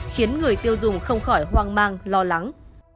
khiến người tiêu dùng không khỏi hoang mang lo lắng